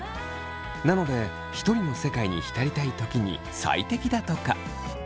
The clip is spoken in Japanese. なのでひとりの世界に浸りたい時に最適だとか。